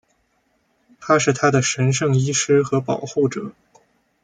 他是她的神圣医师和保护者。